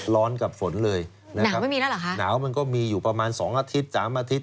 ร้อนกับฝนเลยนะครับหนาวมันก็มีอยู่ประมาณ๒อาทิตย์๓อาทิตย์